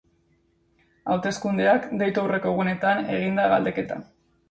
Hauteskundeak deitu aurreko egunetan egin da galdeketa.